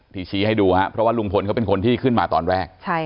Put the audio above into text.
ชี้ให้ดูครับเพราะว่าลุงพลเขาเป็นคนที่ขึ้นมาตอนแรก